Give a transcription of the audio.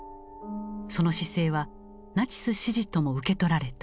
その姿勢はナチス支持とも受け取られた。